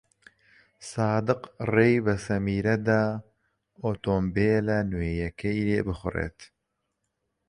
سادق ڕێی بە سەمیرە دا ئۆتۆمۆبیلە نوێیەکەی لێ بخوڕێت.